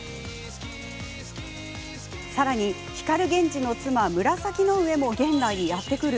さらに光源氏の妻紫の上も現代にやって来る？